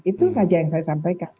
itu saja yang saya sampaikan